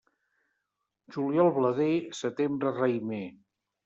Juliol blader, setembre raïmer.